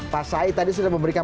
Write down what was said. pak said tadi sudah memberikan